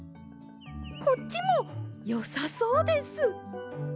こっちもよさそうです！